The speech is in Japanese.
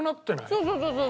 そうそうそうそう。